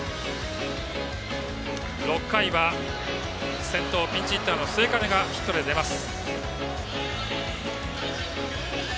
６回は先頭ピンチヒッターの末包ヒットで出ます。